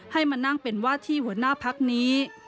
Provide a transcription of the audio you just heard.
ให้มานั่งเป็นว่าที่หัวหน้าพักนี้